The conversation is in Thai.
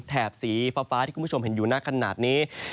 สีฟ้าที่คุณผู้ชมเห็นอยู่หน้าขนาดนี้